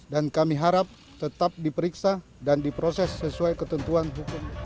dan kami harap tetap diperiksa dan diproses sesuai ketentuan hukum